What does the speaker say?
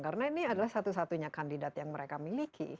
karena ini adalah satu satunya kandidat yang mereka miliki